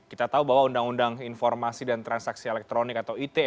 kita tahu bahwa undang undang informasi dan transaksi elektronik atau ite